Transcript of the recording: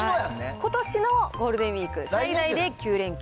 ことしのゴールデンウィーク、最大で９連休。